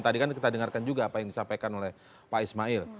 tadi kan kita dengarkan juga apa yang disampaikan oleh pak ismail